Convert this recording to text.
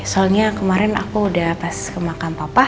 soalnya kemarin aku udah pas ke makam papa